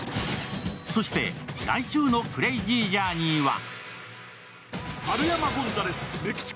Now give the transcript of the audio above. そして、来週の「クレイジージャーニー」は？